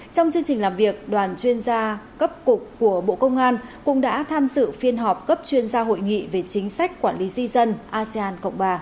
trong chương trình làm việc đoàn chuyên gia cấp cục của bộ công an cũng đã tham dự phiên họp cấp chuyên gia hội nghị về chính sách quản lý di dân asean cộng ba